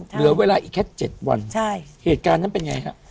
เหลือเวลาอีกแค่๗วันเหตุการณ์นั้นเป็นไงฮะ